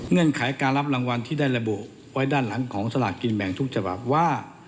ไขการรับรางวัลที่ได้ระบุไว้ด้านหลังของสลากกินแบ่งทุกฉบับว่า